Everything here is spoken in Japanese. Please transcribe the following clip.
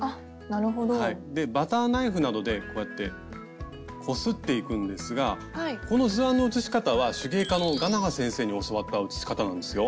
でバターナイフなどでこうやってこすっていくんですがこの図案の写し方は手芸家のがなは先生に教わった写し方なんですよ。